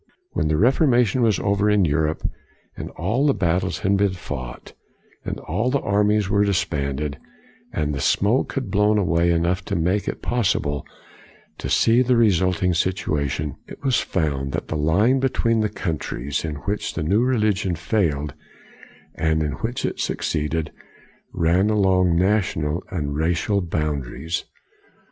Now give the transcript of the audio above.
When the Reforma tion was over in Europe, and all the battles had been fought and all the armies were disbanded, and the smoke had blown away enough to make it possible to see the resulting situation, it was found that the line between the countries in which the new religion failed and in which it suc ceeded ran along national and racial 1 66 COLIGNY boundaries.